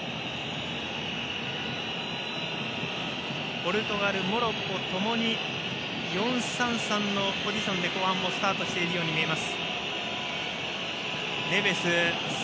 ポルトガル、モロッコともに４−３−３のポジションで後半もスタートしているように見えます。